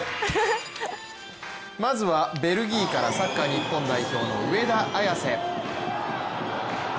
まずはベルギーからサッカー日本代表の上田綺世。